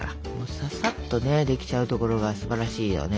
ささっとできちゃうところがすばらしいよね。